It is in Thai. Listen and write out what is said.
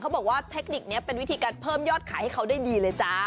บอกว่าเทคนิคนี้เป็นวิธีการเพิ่มยอดขายให้เขาได้ดีเลยจ้า